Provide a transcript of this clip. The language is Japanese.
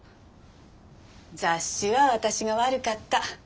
雑誌は私が悪かった。